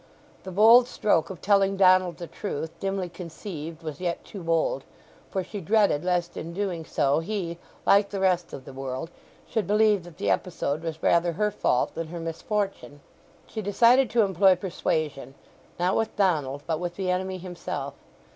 The bold stroke of telling Donald the truth, dimly conceived, was yet too bold; for she dreaded lest in doing so he, like the rest of the world, should believe that the episode was rather her fault than her misfortune. She decided to employ persuasion—not with Donald but with the enemy himself.